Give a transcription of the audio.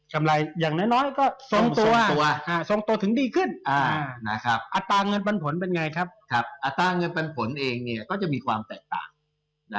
กำไรอย่างน้อยก็สมตัวถึงดีขึ้น